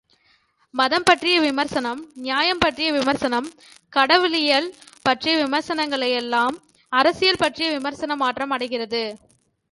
மதம் பற்றிய விமர்சனம், நியாயம் பற்றிய விமர்சனம், கடவுளியல் பற்றிய விமர்சனங்களெல்லாம் அரசியல் பற்றிய விமர்சன மாற்றம் அடைகிறது.